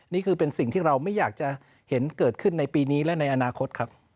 นี่คือเป็นสิ่งที่เราไม่อยากจะเห็นเกิดขึ้นในปีนี้และในอนาคตครับ